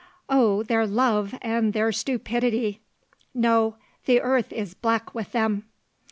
Oh their love and their stupidity! No, the earth is black with them."